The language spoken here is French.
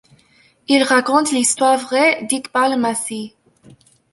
Il raconte l'histoire vraie d'Iqbal Masih.